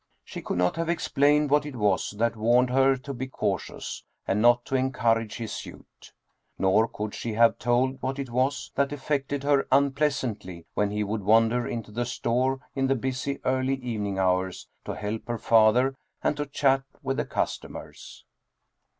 She could not have explained what it was that warned her to be cautious and not to encourage his suit. Nor could she have told what it was that affected her unpleasantly, when he would wander into the store in the busy early evening hours to help her father and to chat with the customers.